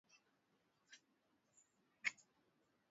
ni nchi ileile waliyoirudia kutoka utumwani Babeli